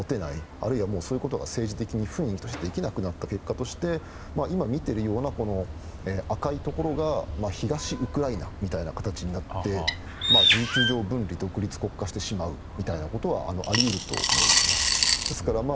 あるいはそういうことが政治的にできなくなった結果として今見ているような赤いところが東ウクライナみたいな形になって事実上、分離独立してしまうみたいなことはあり得ると思います。